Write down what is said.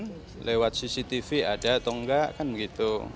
kalau di tv ada atau enggak kan begitu